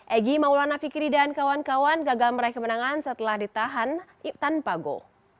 egy maulana fikri dan kawan kawan gagal meraih kemenangan setelah ditahan tanpa gol